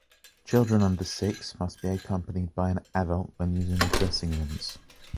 Children under six must be accompanied by an adult when using the dressing-rooms.